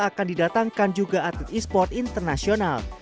akan didatangkan juga atlet e sport internasional